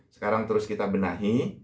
sekarang terus kita benahi